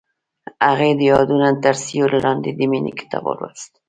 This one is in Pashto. هغې د یادونه تر سیوري لاندې د مینې کتاب ولوست.